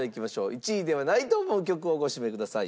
１位ではないと思う曲をご指名ください。